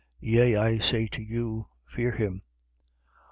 Yea, I say to you: Fear him.